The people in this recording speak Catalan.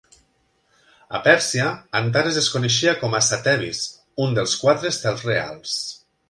A Pèrsia, Antares es coneixia com a "Satevis", un dels quatre "estels reals".